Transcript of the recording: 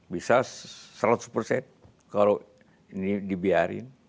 bisa seratus kalau ini dibiarkan